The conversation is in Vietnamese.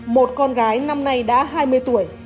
một con gái năm nay đã hai mươi tuổi